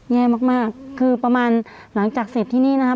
แย่มากมากคือประมาณหลังจากเสร็จที่นี่นะคะ